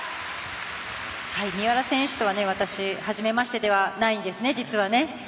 三浦選手とは私始めましてではないんですね実は。